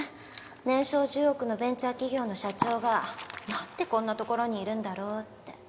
年商１０億のベンチャー企業の社長がなんでこんな所にいるんだろうって。